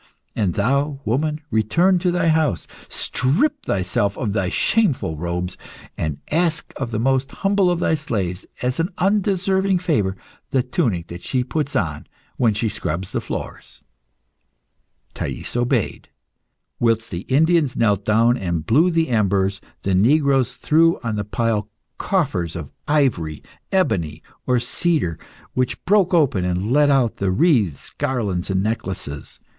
And thou, woman, return to thy house, strip thyself of thy shameful robes, and ask of the most humble of thy slaves, as an undeserving favour, the tunic that she puts on when she scrubs the floors." Thais obeyed. Whilst the Indians knelt down and blew the embers, the negroes threw on the pile coffers of ivory, ebony, or cedar, which broke open and let out wreaths, garlands, and necklaces.